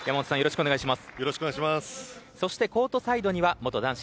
よろしくお願いします。